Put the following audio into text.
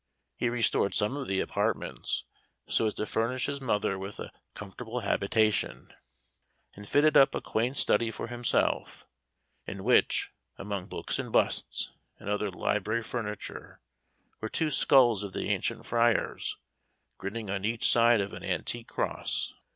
He restored some of the apartments, so as to furnish his mother with a comfortable habitation, and fitted up a quaint study for himself, in which, among books and busts, and other library furniture, were two skulls of the ancient friars, grinning on each side of an antique cross.